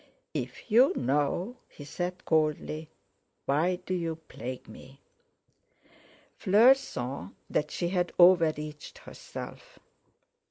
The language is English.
"If you know," he said coldly, "why do you plague me?" Fleur saw that she had overreached herself.